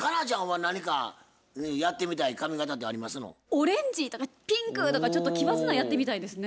オレンジとかピンクとかちょっと奇抜なんやってみたいですね。